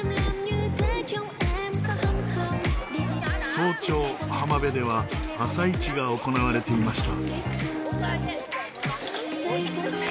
早朝浜辺では朝市が行われていました。